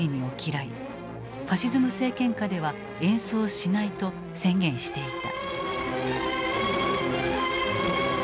ファシズム政権下では演奏しないと宣言していた。